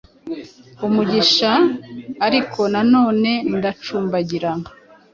umugisha ariko nanone ndacumbagira.